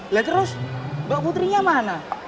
lihat terus mbak putrinya mana